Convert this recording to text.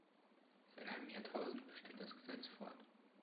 Seit einem Jahrtausend besteht das Gesetz fort.